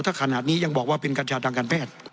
ถ้าขนาดนี้ยังบอกว่าเป็นกัญชาทางการแพทย์